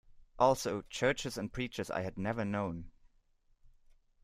Also, churches and preachers I had never known.